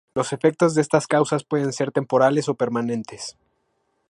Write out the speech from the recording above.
Los efectos de estas causas pueden ser temporales o permanentes.